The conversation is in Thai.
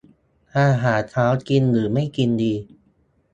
อาหารเช้า กินหรือไม่กินดี